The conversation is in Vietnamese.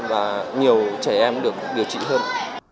và nhiều trẻ em được điều trị hơn